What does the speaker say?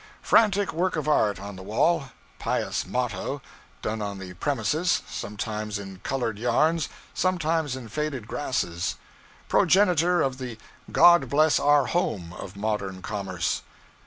Frantic work of art on the wall pious motto, done on the premises, sometimes in colored yarns, sometimes in faded grasses: progenitor of the 'God Bless Our Home' of modern commerce.